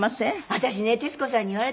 私ね徹子さんに言われたの。